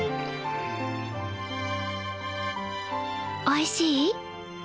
おいしい？